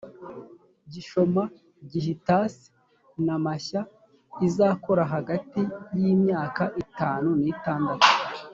gishoma gihitasi na mashya izakora hagati y imyaka itanu n itandatu